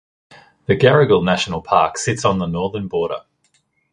The Garigal National Park sits on the northern border.